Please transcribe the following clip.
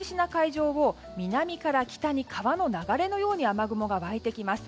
このあとも東シナ海上を南から北に川の流れのように雨雲が湧いてきます。